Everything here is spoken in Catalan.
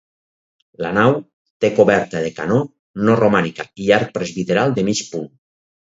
La nau té coberta de canó no romànica i arc presbiteral de mig punt.